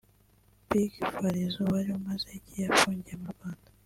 Big Fariouz wari umaze igihe afungiye mu Rwanda